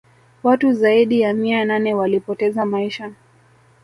watu zaidi ya mia nane walipoteza maisha